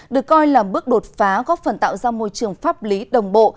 được coi là bước đột phá góp phần tạo ra môi trường pháp lý đồng bộ